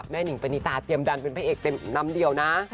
หนิงปณิตาเตรียมดันเป็นพระเอกเต็มน้ำเดียวนะ